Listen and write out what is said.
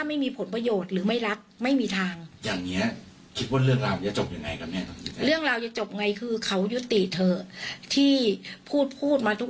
อันนี้ผมอันมาสมมุติว่าเรานี่เข้าไปแล้วเนาะ